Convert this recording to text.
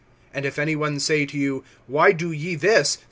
(3)And if any one say to you: Why do ye this?